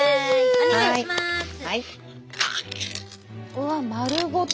うわ丸ごと！